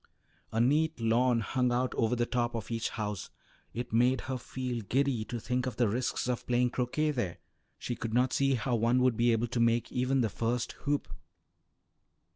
A neat lawn hung out over the top of each house; it made her feel giddy to think of the risks of playing croquet there; she could not see how one would be able to make even the first hoop.